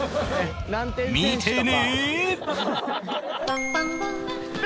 見てね！